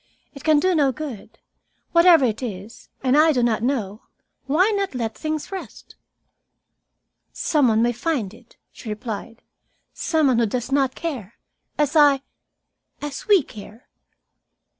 "It can do no good. Whatever it is, and I do not know, why not let things rest?" "Some one may find it," she replied. "Some one who does not care, as I as we care."